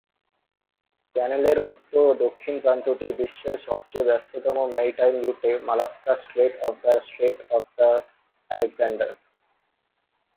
চ্যানেলের উত্তর ও দক্ষিণ প্রান্তটি বিশ্বের সবচেয়ে ব্যস্ততম মেরিটাইম রুটে Malacca strait of the strait of the Alexander.